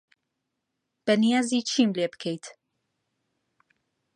بەنیازی چیم لێ بکەیت؟